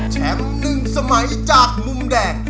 แชมป์หนึ่งสมัยจากลุมแดก